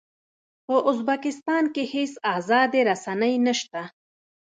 په ازبکستان کې هېڅ ازادې رسنۍ نه شته.